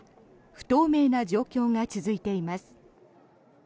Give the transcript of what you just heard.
不透明な状況が続いています。